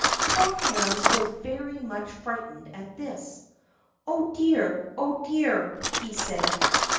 Poor Hans was very much frightened at this. "Oh, dear! oh, dear!" he said.